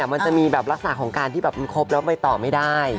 มันจะมีแบบลักษณะของการที่แบบมันครบแล้วไปต่อไม่ได้